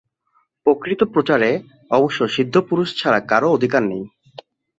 প্রকৃত প্রচারে অবশ্য সিদ্ধপুরুষ ছাড়া কারও অধিকার নেই।